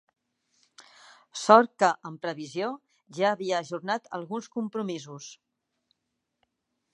Sort que, en previsió, ja havia ajornat alguns compromisos.